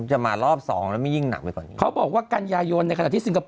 จะมารอบ๒แล้วมันยิ่งหนักไปกว่านี้